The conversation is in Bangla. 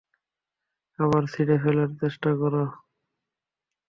আবার ছিঁড়ে ফেলার চেষ্টা করো।